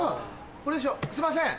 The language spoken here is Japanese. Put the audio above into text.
これにしようすいません。